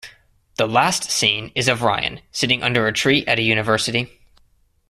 The last scene is of Ryan, sitting under a tree at a university.